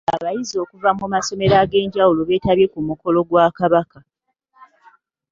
Abayizi okuva mu masomero ag’enjawulo beetabye ku mukolo gwa Kabaka.